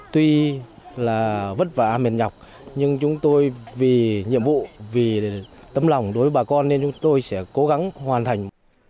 tuy là vất vả miền nhọc nhưng chúng tôi vì nhiệm vụ vì tâm lòng đối với bà con nên chúng tôi sẽ cố gắng hoàn thành